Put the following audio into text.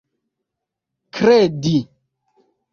kredi